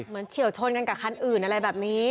เหมือนเฉียวชนกับคันอื่นอะไรแบบนี้